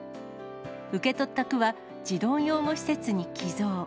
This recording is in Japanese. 受け取った区は、児童養護施設に寄贈。